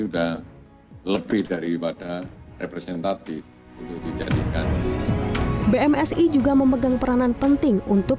udah lebih daripada representatif untuk dijadikan bmsi juga memegang peranan penting untuk